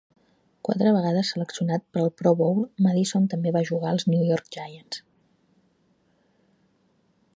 Quatre vegades seleccionat per al Pro Bowl, Madison també va jugar als New York Giants.